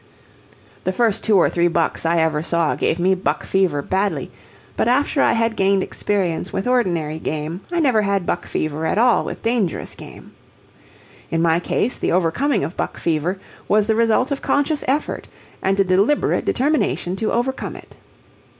The first two or three bucks I ever saw gave me buck fever badly, but after I had gained experience with ordinary game I never had buck fever at all with dangerous game. In my case the overcoming of buck fever was the result of conscious effort and a deliberate determination to overcome it.